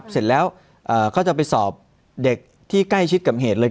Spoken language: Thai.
เสร็จแล้วก็จะไปสอบเด็กที่ใกล้ชิดกับเหตุเลย